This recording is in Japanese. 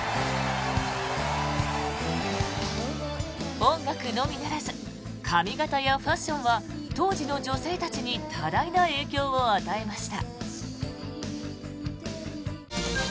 音楽のみならず髪形やファッションは当時の女性たちに多大な影響を与えました。